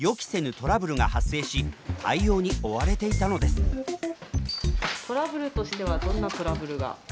トラブルとしてはどんなトラブルが？